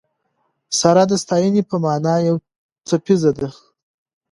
سره د ستاینې په مانا یو څپیزه ده.